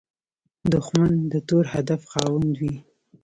دښمن د تور هدف خاوند وي